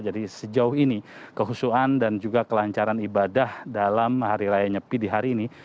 jadi sejauh ini kehusuan dan juga kelancaran ibadah dalam hari raya nyepi di hari ini